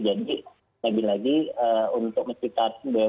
jadi lebih lagi untuk metrikan bumn yang berat